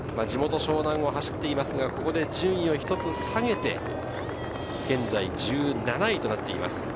地元・湘南を走っていますが、ここで順位を１つ下げて現在１７位となっています。